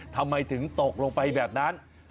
ทำไมถึงตกลงไปแบบนั้น